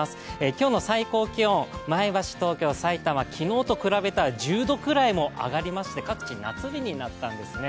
今日の最高気温、前橋、東京、埼玉、昨日と比べたら１０度くらい上がりまして、各地、夏日になったんですね